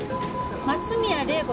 松宮玲子